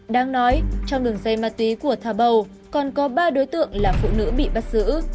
đáng nói trong đường dây ma túy của thả bầu còn có ba đối tượng là phụ nữ bị bắt giữ